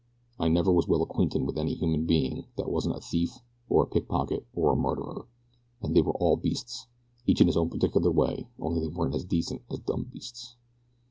I never was well acquainted with any human being that wasn't a thief, or a pickpocket, or a murderer and they were all beasts, each in his own particular way, only they weren't as decent as dumb beasts.